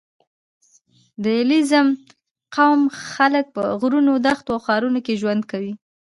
• د علیزي قوم خلک په غرونو، دښتو او ښارونو کې ژوند کوي.